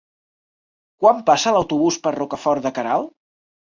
Quan passa l'autobús per Rocafort de Queralt?